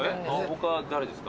他誰ですか？